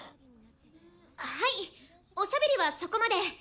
はいおしゃべりはそこまで！